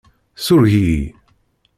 Sureg-iyi.